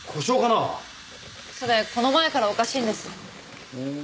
それこの前からおかしいんです。